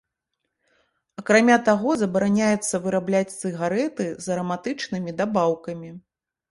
Акрамя таго, забараняецца вырабляць цыгарэты з араматычнымі дабаўкамі.